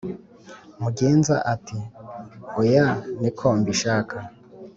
Mugenza ati"oya niko mbishaka